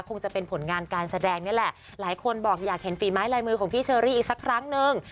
คงจะเป็นผลงานการแสดงนี่แหละหลายคนบอกอยากเห็นฝีไม้ลายมือของพี่เชอรี่อีกสักครั้งนึง